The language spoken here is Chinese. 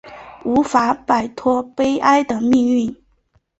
无法摆脱悲哀的命运